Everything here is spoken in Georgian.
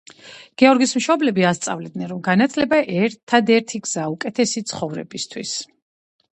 გეორგის მშობლები ასწავლიდნენ, რომ განათლება ერთადერთი გზაა უკეთესი ცხოვრებისთვის.